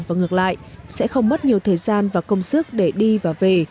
và ngược lại sẽ không mất nhiều thời gian và công sức để đi và về